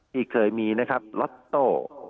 ที่เคยมีนะครับล็อตโต้